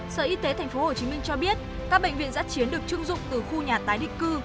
sở y tế tp hcm cho biết các bệnh viện giã chiến được chưng dụng từ khu nhà tái định cư